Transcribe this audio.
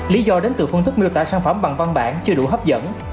lý do đến từ phương thức miêu tả sản phẩm bằng văn bản chưa đủ hấp dẫn